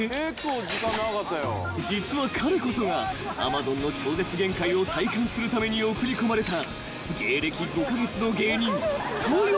［実は彼こそがアマゾンの超絶限界を体感するために送り込まれた］